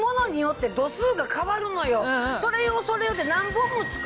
それ用それ用で。